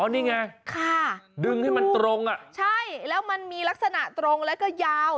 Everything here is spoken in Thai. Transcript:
อ๋อนี่ไงดึงให้มันตรงอะใช่แล้วมีลักษณะตรงและก็ยาว